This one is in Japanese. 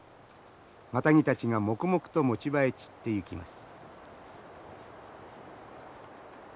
マタギたちが黙々と持ち場へ散ってゆきます。